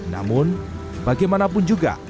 namun bagaimanapun juga